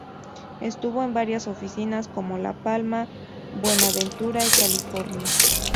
Estuvo en varias oficinas como La Palma, Buenaventura y California.